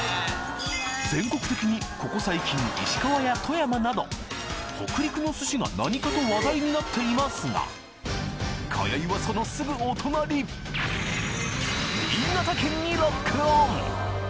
全国的にここ最近石川や富山など北陸の寿司が何かと話題になっていますが今宵はそのすぐお隣新潟県にロックオン！